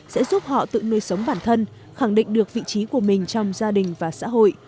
sẽ giúp họ tự nuôi sống bản thân khẳng định được vị trí của mình trong gia đình và xã hội